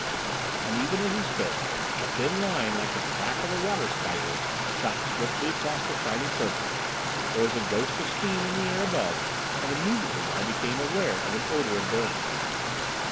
And, even as he spoke, a thin line like the track of a water spider, shot swiftly across the shiny surface; there was a ghost of steam in the air above; and immediately I became aware of an odour of burning.